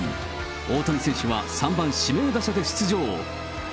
大谷選手は３番指名打者で出場。